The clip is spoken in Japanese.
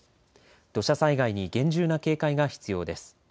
土砂災害に厳重な警戒が必要です。